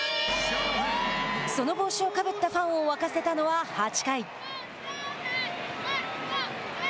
その帽子をかぶったファンを沸かせたのは８回。